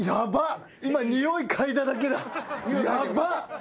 今におい嗅いだだけヤバッ！